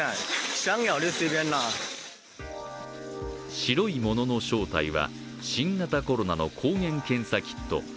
白いものの正体は、新型コロナの抗原検査キット。